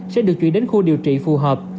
sẽ được chuyển đến khu điều trị phù hợp